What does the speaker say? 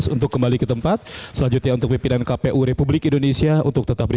dua ribu sembilan belas untuk kembali ke tempat selanjutnya untuk pimpinan kpu republik indonesia untuk tetap di